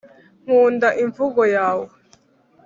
nkunda imvugo yawe.